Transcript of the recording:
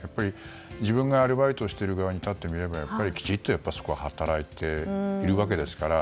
自分がアルバイトしている側に立ってみればそこは働いているわけですから。